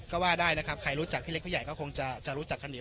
ก็ว่าได้นะครับใครรู้จักพี่เล็กผู้ใหญ่ก็คงจะรู้จักกันอีก